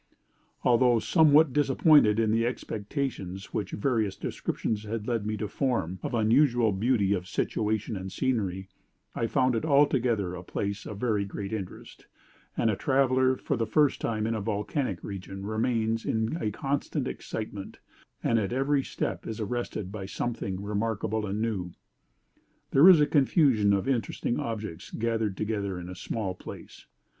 "'Although somewhat disappointed in the expectations which various descriptions had led me to form of unusual beauty of situation and scenery, I found it altogether a place of very great interest; and a traveler for the first time in a volcanic region remains in a constant excitement, and at every step is arrested by something remarkable and new. There is a confusion of interesting objects gathered together in a small space.